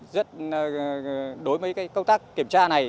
đối với cái công tác kiểm tra này